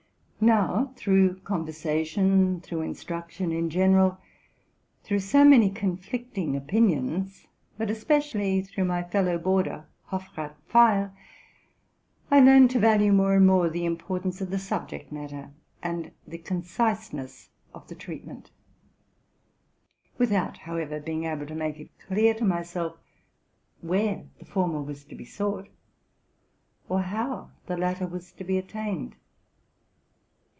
Now, through conversation, through instruction in general, through so many conflicting opinions, but especially through my fellow boarder Hofrath Pfeil, I learned to value more and more the importance of the subject matter and the concise ness of the treatment; without, however, being able to make it clear to myself where the former was to be sought, or how the latter was to be attained.